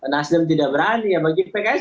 nasdem tidak berani ya bagi pks